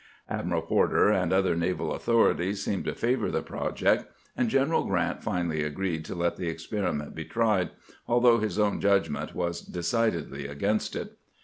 Admiral Porter and other naval authorities seemed to favor the project, and Greneral Grant finally agreed to let the experiment be tried, although his own judgment was decidedly against it.